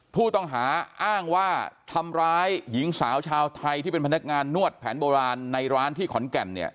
ผู้ต้องหาอ้างว่าทำร้ายหญิงสาวชาวไทยที่เป็นพนักงานนวดแผนโบราณในร้านที่ขอนแก่นเนี่ย